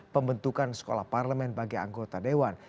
pembentukan sekolah parlemen bagi anggota dewan